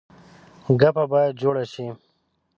ګپه باید جوړه شي.